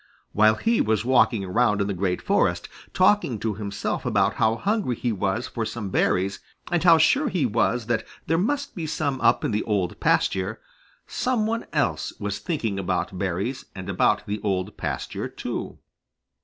While he was walking around in the Green Forest, talking to himself about how hungry he was for some berries and how sure he was that there must be some up in the Old Pasture, some one else was thinking about berries and about the Old Pasture too.